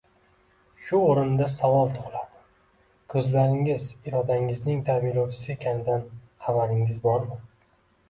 Shu o`rinda savol tug`iladi ko`zlaringiz irodangizning tarbiyalovchisi ekanidan xabaringiz bormi